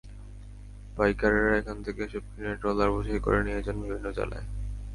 পাইকারেরা এখান থেকে এসব কিনে ট্রলারে বোঝাই করে নিয়ে যান বিভিন্ন জেলায়।